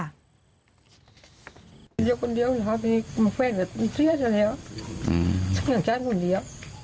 เดี๋ยวกันเดียวนะครับมาแฟนกันเสียเฉยแล้วอย่างฉันคนเดียว